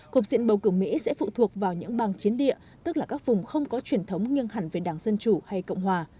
hợp diện bầu cử mỹ sẽ phụ thuộc vào những bang chiến địa tức là các vùng không có truyền thống nghiêng hẳn về đảng dân chủ hay cộng hòa